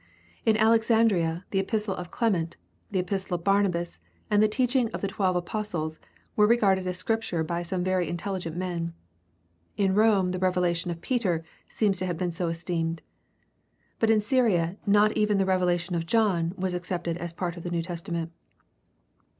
In Alexandria the Epistle of Clement, the Epistle of Barnabas, and the Teaching of the Twelve Apostles were regarded as Scripture by some very intelligent men. In Rome the Revelation of Peter seems to have been so esteemed. But in Syria not even the Revela tion of John was accepted as part of the New Testament.